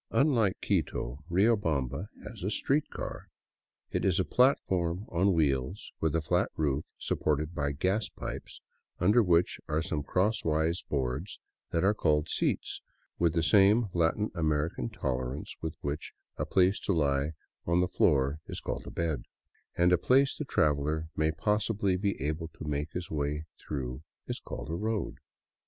Unlike Quito, Rio bamba has a street car. It is a platform on wheels with a flat roof supported by gas pipes, under which are some crosswise boards that are called seats with the same Latin American tolerance with which a place to lie on the floor is called a bed, and a place the traveler may possibly be able to make his way through is called a road.